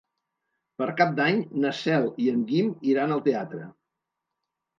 Per Cap d'Any na Cel i en Guim iran al teatre.